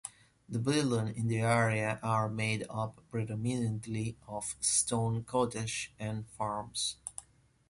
The buildings in the area are made up predominantly of stone cottages and farms.